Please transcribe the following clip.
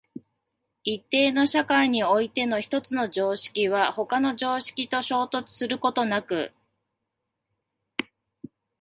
一定の社会において一つの常識は他の常識と衝突することなく、